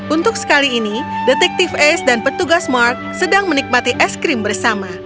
untuk sekali ini detektif ace dan petugas mark sedang menikmati es krim bersama